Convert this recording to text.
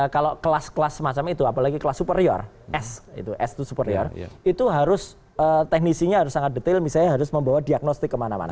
kalau kelas kelas semacam itu apalagi kelas superior s itu s dua superior itu harus teknisinya harus sangat detail misalnya harus membawa diagnostik kemana mana